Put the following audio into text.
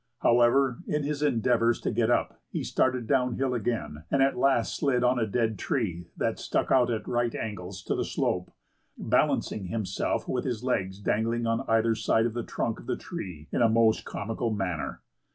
However, in his endeavors to get up, he started down hill again, and at last slid on a dead tree that stuck out at right angles to the slope, balancing himself with his legs dangling on either side of the trunk of the tree in a most comical manner.